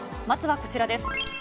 まずはこちらです。